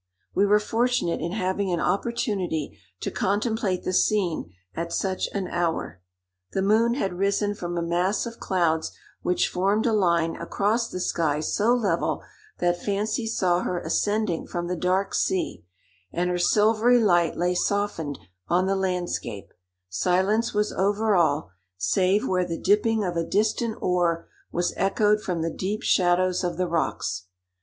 We were fortunate in having an opportunity to contemplate the scene at such an hour: the moon had risen from a mass of clouds which formed a line across the sky so level that fancy saw her ascending from the dark sea, and her silvery light lay softened on the landscape; silence was over all, save where the dipping of a distant oar was echoed from the deep shadows of the rocks.